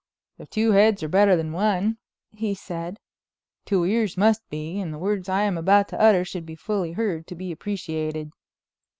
"If two heads are better than one," he said, "two ears must be; and the words I am about to utter should be fully heard to be appreciated."